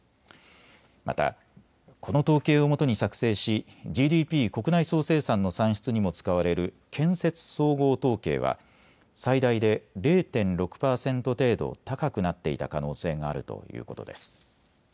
またこの統計をもとに作成しＧＤＰ・国内総生産の算出にも使われる建設総合統計は最大で０．６％程度高くなっていた可能性があるということです。